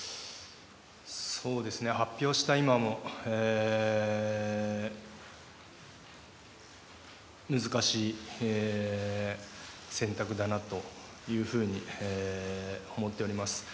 発表した今も難しい選択だなというふうに思っております。